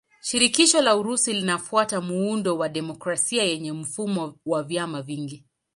Shirikisho la Urusi linafuata muundo wa demokrasia yenye mfumo wa vyama vingi.